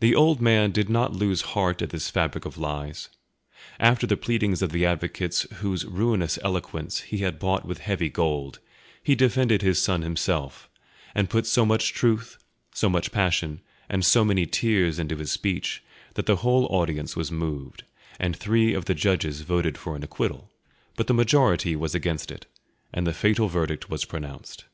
The old man did not lose heart at this fabric of lies; after the pleadings of the advocates whose ruinous eloquence he had bought with heavy gold, he defended his son himself, and put so much truth, so much passion, and so many tears into his speech, that the whole audience was moved, and three of the judges voted for an acquittal; but the majority was against it, and the fatal verdict was pronounced.